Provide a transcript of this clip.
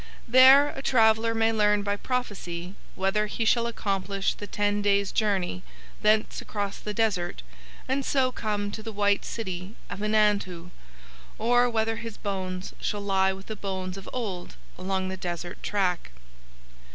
There a traveller may learn by prophecy whether he shall accomplish the ten days' journey thence across the desert and so come to the white city of Einandhu, or whether his bones shall lie with the bones of old along the desert track.